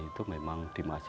itu memang di masyarakatnya